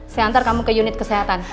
saya antar kamu ke unit kesehatan